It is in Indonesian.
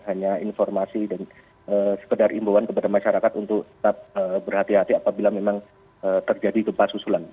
hanya informasi dan sekedar imbauan kepada masyarakat untuk tetap berhati hati apabila memang terjadi gempa susulan